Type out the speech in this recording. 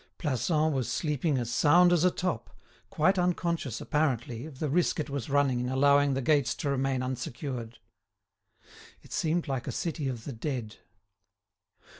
Plassans was sleeping as sound as a top, quite unconscious, apparently, of the risk it was running in allowing the gates to remain unsecured. It seemed like a city of the dead.